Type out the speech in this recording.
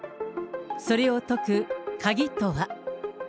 それを解く鍵とは。